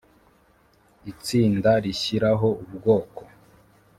Itsinda rishyiraho ubwoko